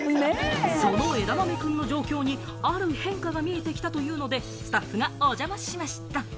そのえだまめくんの状況にある変化が見えてきたというのでスタッフがお邪魔しました。